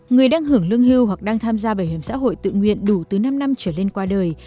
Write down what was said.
người đang hưởng lương hưu hoặc đang tham gia bảo hiểm xã hội tự nguyện đủ từ năm năm trở lên qua đời